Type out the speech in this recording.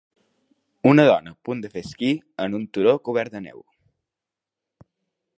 Una dona a punt de fer esquí en un turó cobert de neu.